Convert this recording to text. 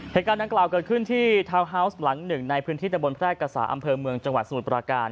เหตุการณ์ดังกล่าวเกิดขึ้นที่ทาวน์ฮาวส์หลังหนึ่งในพื้นที่ตะบนแพร่กษาอำเภอเมืองจังหวัดสมุทรปราการ